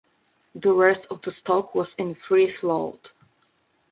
The rest of the stock was in free float.